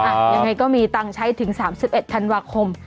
ยังไงก็มีตังค์ใช้ถึง๓๑ธันวาคม